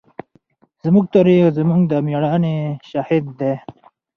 زموږ تاریخ زموږ د مېړانې شاهد دی.